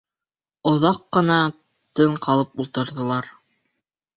Оҙаҡ ҡына тын ҡалып ултырҙылар.